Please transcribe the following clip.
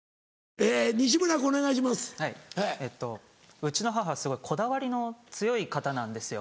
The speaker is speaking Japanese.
うちの母すごいこだわりの強い方なんですよ。